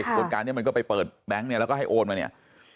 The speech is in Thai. โครงการนี้มันก็ไปเปิดแบงค์เนี่ยแล้วก็ให้โอนมาเนี่ย